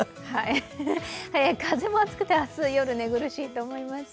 風も暑くて、夜、寝苦しいと思います。